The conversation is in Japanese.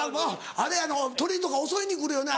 あれあの鳥とか襲いに来るよな。